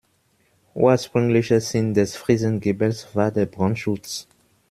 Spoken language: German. Ursprünglicher Sinn des Friesengiebels war der Brandschutz.